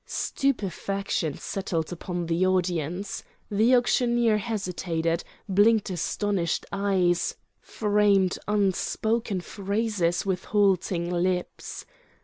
Stupefaction settled upon the audience. The auctioneer hesitated, blinked astonished eyes, framed unspoken phrases with halting lips.